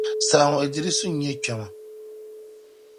Saha ŋɔ Iddrisu n-nyɛ kpɛma.